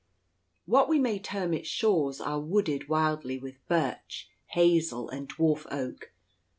What we may term its shores are wooded wildly with birch, hazel, and dwarf oak.